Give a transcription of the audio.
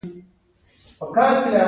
د توليد مناسبات یا اړیکې څه ته وايي؟